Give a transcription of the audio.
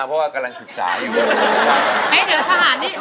ได้ต้องผ่อนไปเรื่อยถึงศึกษาผู้ใหญ่วัดแคร์ดังเริ่งเนี่ย